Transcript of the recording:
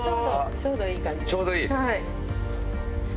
ちょうどいい？